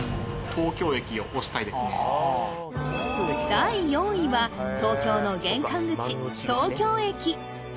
第４位は東京の玄関口東京駅